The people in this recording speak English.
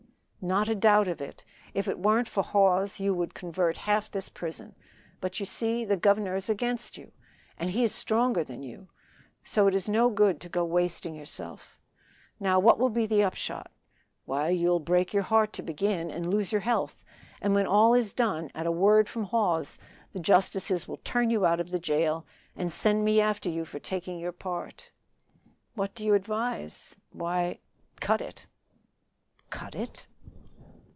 "Not a doubt of it. If it warn't for Hawes you would convert half this prison; but you see, the governor is against you, and he is stronger than you. So it is no good to go wasting yourself. Now, what will be the upshot? Why, you'll break your heart to begin, and lose your health; and when all is done, at a word from Hawes the justices will turn you out of the jail and send me after you for taking your part." "What do you advise?" "Why, cut it." "Cut it?"